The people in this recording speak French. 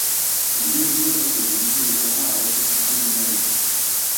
Il évolue au poste de milieu de terrain à l'Atlético Mineiro.